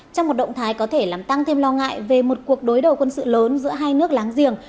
trong một động thái có thể làm tăng thêm lo ngại về một cuộc đối đầu quân sự lớn giữa hai nước láng giềng